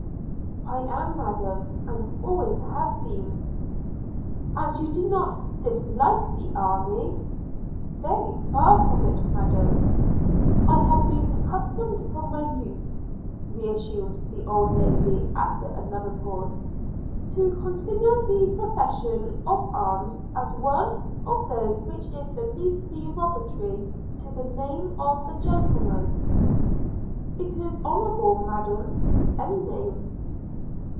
'I am, Madam; and always have been.' 'And you do not dislike the army?' 'Very far from it, Madam.' 'I have been accustomed from my youth,' reassumed the old Lady after another pause, 'to consider the profession of arms as one of those which is the least derogatory to the name of a gentleman.' 'It is honourable, Madam, to any name.'